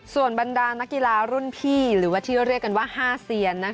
ส่วนบรรดานักกีฬารุ่นพี่หรือว่าที่เรียกกันว่า๕เซียน